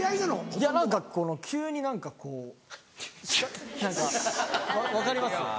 いや何か急に何かこう。何か分かります？